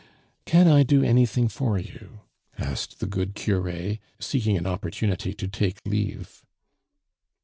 "Can I do anything for you?" asked the good cure, seeking an opportunity to take leave.